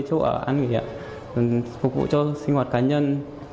chỗ ở ăn nghỉ phục vụ cho sinh hoạt cá nhân